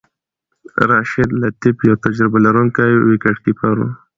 راشد لطيف یو تجربه لرونکی وکټ کیپر وو.